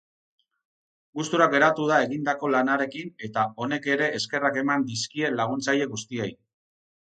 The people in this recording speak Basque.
Gustura geratu da egindako lanarekin eta honek ere eskerrak eman dizkie laguntzaile guztiei.